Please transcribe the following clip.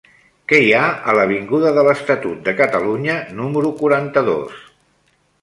Què hi ha a l'avinguda de l'Estatut de Catalunya número quaranta-dos?